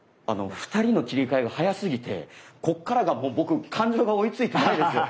２人の切り替えが早すぎてこっからがもう僕感情が追いついてないです。